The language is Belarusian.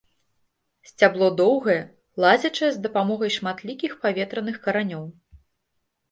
Сцябло доўгае, лазячае з дапамогай шматлікіх паветраных каранёў.